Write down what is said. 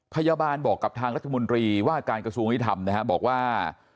พยาบาลบอกกับทางรัฐมนตรีว่าการกระทรวงยุทธรรมนะฮะบอกว่า